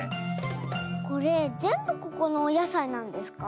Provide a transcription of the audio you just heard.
これぜんぶここのおやさいなんですか？